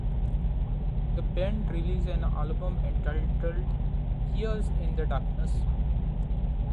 The band release an album entitled Years In The Darkness.